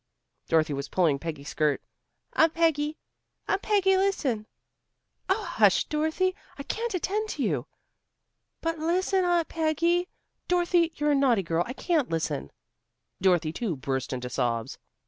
Dorothy was pulling Peggy's skirt. "Aunt Peggy! Aunt Peggy, listen!" "Oh, hush, Dorothy. I can't attend to you." "But listen, Aunt Peggy " "Dorothy, you're a naughty girl. I can't listen." Dorothy too burst into sobs.